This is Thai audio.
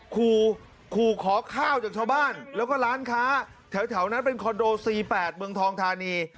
ขู่ขอข้าวจากชาวบ้านแล้วก็ร้านค้าแถวนั้นเป็นคอนโด๔๘เมืองทองทานี